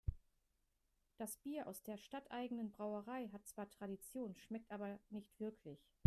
Das Bier aus der stadteigenen Brauerei hat zwar Tradition, schmeckt aber nicht wirklich.